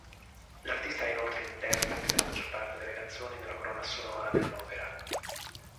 L'artista è inoltre interprete della maggior parte delle canzoni nella colonna sonora dell'opera.